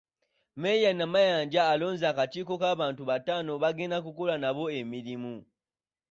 Mmeeya Namayanja alonze akakiiko k’abantu bataano baagenda okukola nabo emirimu .